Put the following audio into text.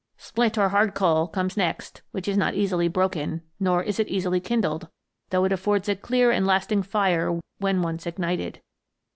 Splint or hard coal comes next, which is not easily broken, nor is it easily kindled, though it affords a clear and lasting fire when once ignited.